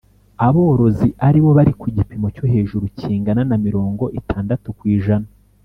Aborozi aribo bari ku gipimo cyo hejuru kingana na mirongo itandatu ku ijana